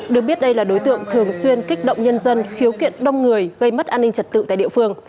được biết đây là đối tượng thường xuyên kích động nhân dân khiếu kiện đông người gây mất an ninh trật tự tại địa phương